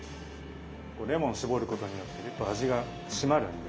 レモン搾ることによってギュッと味が締まるんで。